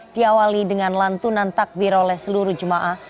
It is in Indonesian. diawali dengan lantunan takbir oleh seluruh jemaah